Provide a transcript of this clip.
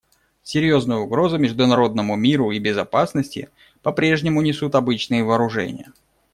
Серьезную угрозу международному миру и безопасности попрежнему несут обычные вооружения.